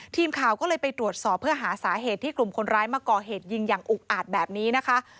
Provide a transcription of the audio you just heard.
ทีมข่าวก็เลยไปตรวจสอบเพื่อหาสาเหตุที่กลุ่มคนร้ายมาก่อเหตุยิงอย่างอุกอาจแบบนี้นะคะ